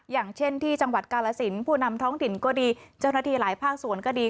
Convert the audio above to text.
อย่างเช่นที่จังหวัดกาลสินผู้นำท้องถิ่นก็ดีเจ้าหน้าที่หลายภาคส่วนก็ดี